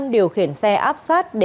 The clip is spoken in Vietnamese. năm điều khiển xe áp sát